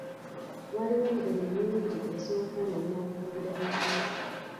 Waliwo engeri nnyingi ez'okwonoona obutonde bw'ensi.